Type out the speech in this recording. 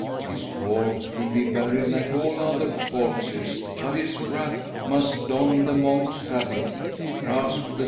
His corpse will be buried like all other corpses, but his wraith must don the monk's habit, grasp' the.